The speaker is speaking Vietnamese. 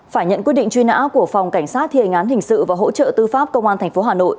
phải nhận quyết định truy nã của phòng cảnh sát thì hình án hình sự và hỗ trợ tư pháp công an thành phố hà nội